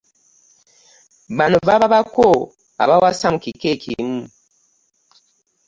Bano baba bako abawasa mu kika ekimu.